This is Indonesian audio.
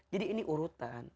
jadi ini urutan